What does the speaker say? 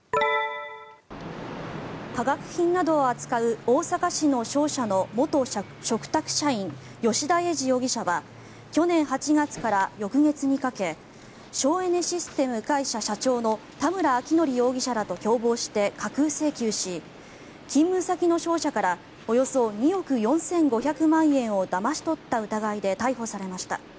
化学品などを扱う大阪市の商社の元嘱託社員吉田英司容疑者は去年８月から翌月にかけ省エネシステム会社社長の田村昭成容疑者らと共謀して架空請求し勤務先の商社からおよそ２億４５００万円をだまし取った疑いで逮捕されました。